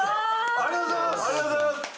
ありがとうございます！